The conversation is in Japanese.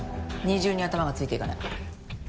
二重に頭がついていかない。